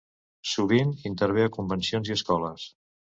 Sovint intervé a convencions i escoles.